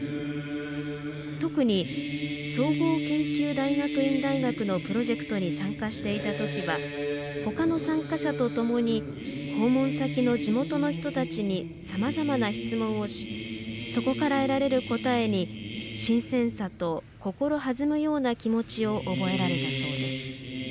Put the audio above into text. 特に総合研究大学院大学のプロジェクトに参加していた時は他の参加者とともに訪問先の地元の人たちにさまざまな質問をしそこから得られる答えに新鮮さと心弾むような気持ちを覚えられたそうです。